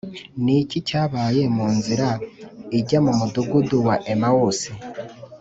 Ni iki cyabaye mu nzira ijya mu mudugudu wa emawusi